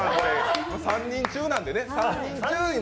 ３人中なんでね。